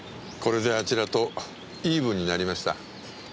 これであちらとイーブンになりました。